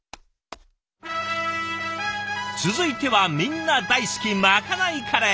続いてはみんな大好きまかないカレー。